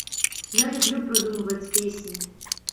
Я люблю прыдумваць песні.